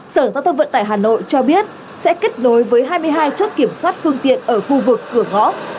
sở giao thông vận tải hà nội cho biết sẽ kết nối với hai mươi hai chốt kiểm soát phương tiện ở khu vực cửa ngõ